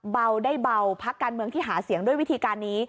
เบาได้เบาพักการเมืองที่หาเสียงด้วยวิธีการนี้